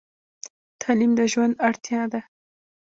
تعلیم د ژوند اړتیا ده.